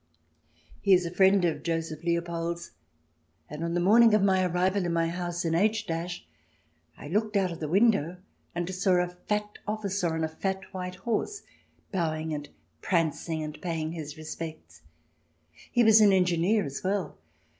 He is a friend of Joseph Leopold's, and on the morning of my arrival in my house in H , I looked out of the window, and saw a fat officer on a fat white horse, bowing and prancing and paying his respects. He was an engineer as well.